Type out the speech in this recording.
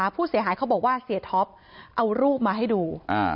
ผู้เสียหายเขาบอกว่าเสียท็อปเอารูปมาให้ดู